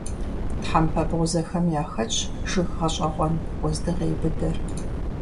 Тхьэмпэ бгъузэхэм яхэтщ жыг гъэщӀэгъуэн - уэздыгъей быдэр.